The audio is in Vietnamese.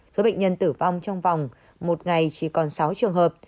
số bệnh nhân tử vong trong vòng một ngày chỉ còn sáu trường hợp